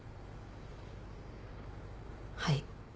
はい。